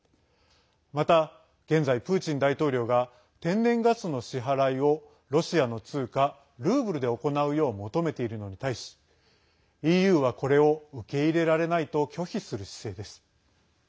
また、現在プーチン大統領が天然ガスの支払いをロシアの通貨ルーブルで行うよう求めているのに対しＥＵはこれを受け入れられないと拒否する姿勢です。